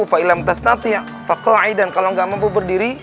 kalau gak mampu berdiri